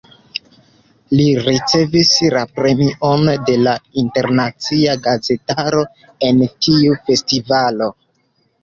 Li ricevis la premion de la internacia gazetaro en tiu festivalo.